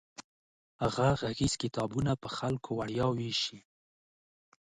هغه غږیز کتابونه په خلکو وړیا ویشي.